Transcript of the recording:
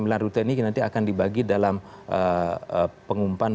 dan sembilan rute ini nanti akan dibagi dalam pengumpan